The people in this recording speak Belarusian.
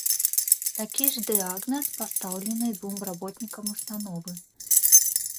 Такі ж дыягназ пастаўлены двум работнікам ўстановы.